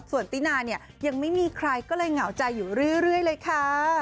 ส่วนตินาเนี่ยยังไม่มีใครก็เลยเหงาใจอยู่เรื่อยเลยค่ะ